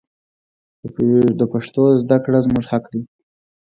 د پښتو زده کړه زموږ حق دی.